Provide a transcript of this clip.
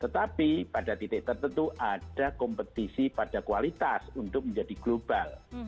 tetapi pada titik tertentu ada kompetisi pada kualitas untuk menjadi global